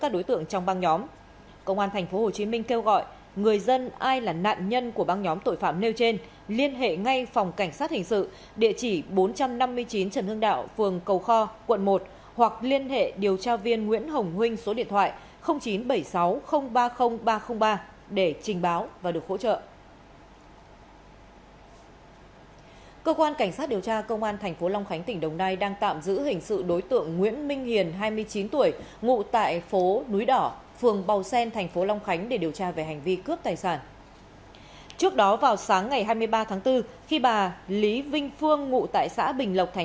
đối tượng lê mạnh cường vừa bị cơ quan cảnh sát điều tra công an thành phố nam định bắt giữ về hành vi trộm cắp tài sản